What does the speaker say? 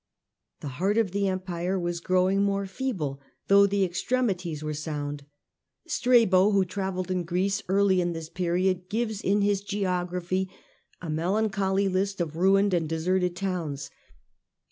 The heart of the Strabo's Empire was growing more feeble, though account of the extremities were sound. Strabo, who Greece. travelled in Greece early in this period, gives in his geography a melancholy list of ruined and deserted towns